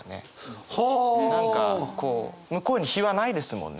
何かこう向こうに非はないですもんね